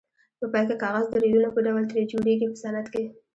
په پای کې کاغذ د ریلونو په ډول ترې جوړیږي په صنعت کې.